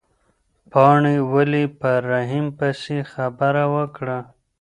پاڼې ولې په رحیم پسې خبره وکړه؟